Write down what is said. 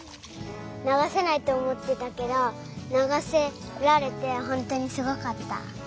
ながせないっておもってたけどながせられてほんとにすごかった。